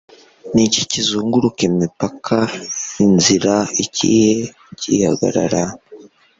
Niki kizunguruka imipaka inzira ikihe gihagarara